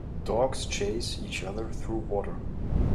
Dogs chase each other through water.